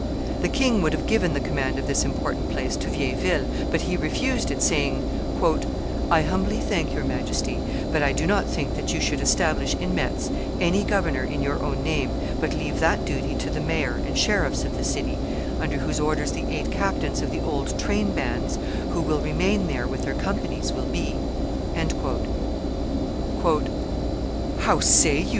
The king would have given the command of this important place to Vieilleville, but he refused it, saying, "I humbly thank your Majesty, but I do not think that you should establish in Metz any governor in your own name, but leave that duty to the mayor and sheriffs of the city, under whose orders the eight captains of the old train bands who will remain there with their companies will be." "How say you!"